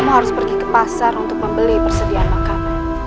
kamu harus pergi ke pasar untuk membeli persediaan makanan